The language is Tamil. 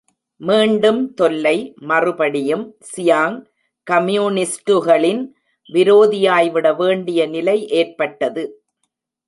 மீண்டும் தொல்லை மறுபடியும் சியாங் கம்யூனிஸ்டுகளின் விரோதியாய்விட வேண்டிய நிலை ஏற்பட்டது.